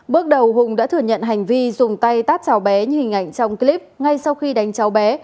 bước đầu hùng đã thừa nhận hành vi dùng tay tát cháu bé như hình ảnh trong clip ngay sau khi đánh cháu bé